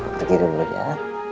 pergi dulu ya